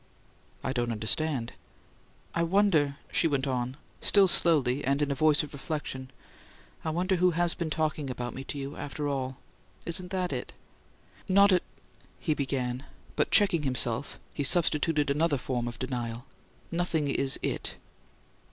"I don't understand." "I wonder," she went on, still slowly, and in a voice of reflection, "I wonder who HAS been talking about me to you, after all? Isn't that it?" "Not at " he began, but checked himself and substituted another form of denial. "Nothing is 'it.'"